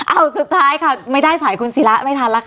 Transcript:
เอาสุดท้ายค่ะไม่ได้สายคุณศิระไม่ทันแล้วค่ะ